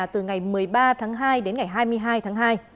từ ngày một mươi ba tháng hai đến ngày hai mươi hai tháng hai